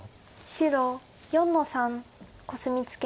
白４の三コスミツケ。